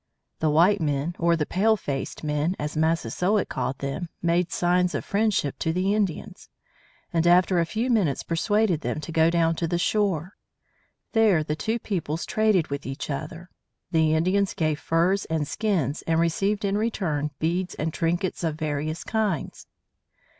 The white men, or the pale faced men, as Massasoit called them, made signs of friendship to the Indians, and after a few minutes persuaded them to go down to the shore. There the two peoples traded with each other. The Indians gave furs and skins, and received in return beads and trinkets of various kinds.